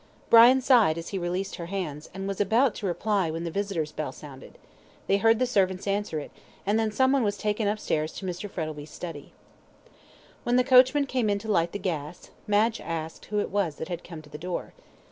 Brian sighed as he released her hands, and was about to reply when the visitor's bell sounded, they heard the servant answer it, and then someone was taken upstairs to Mr. Frettlby's study. When the footman came in to light the gas, Madge asked who it was that had come to the door.